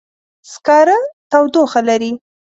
سکاره تودوخه لري.